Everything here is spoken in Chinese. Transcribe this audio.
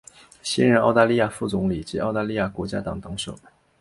现任澳大利亚副总理及澳大利亚国家党党首。